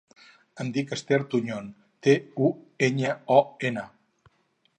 Em dic Esther Tuñon: te, u, enya, o, ena.